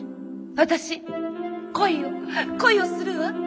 私恋を恋をするわ。